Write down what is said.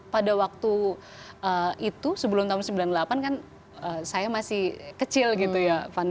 pada waktu itu sebelum tahun sembilan puluh delapan kan saya masih kecil gitu ya fanny